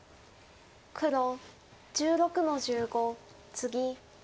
黒１６の十五ツギ。